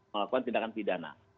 melakukan tindakan pidana